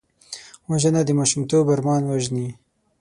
وژنه د ماشومتوب ارمان وژني